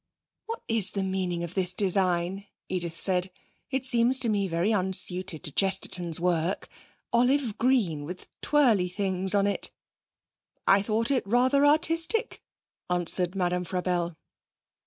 'What is the meaning of this design?' Edith said. 'It seems to me very unsuited to Chesterton's work! Olive green, with twirly things on it!' 'I thought it rather artistic,' answered Madame Frabelle.